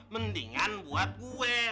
mendingan buat gue